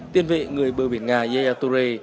tiên vệ người bờ biển nga yaya touré